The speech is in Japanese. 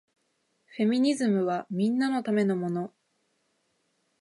フェミニズムはみんなのためのもの